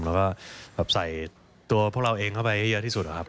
แล้วก็ใส่ตัวพวกเราเองเข้าไปให้เยอะที่สุดนะครับ